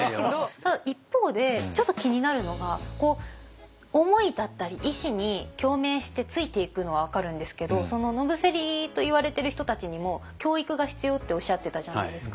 ただ一方でちょっと気になるのが思いだったり意志に共鳴してついていくのは分かるんですけど野伏といわれてる人たちにも教育が必要っておっしゃってたじゃないですか。